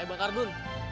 eh bang ardun